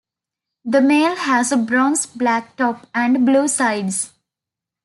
The male has a bronze-black top and blue sides.